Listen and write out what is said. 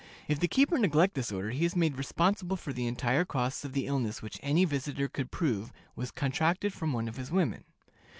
If the keeper neglect this order, he is made responsible for the entire costs of the illness which any visitor could prove was contracted from one of his women.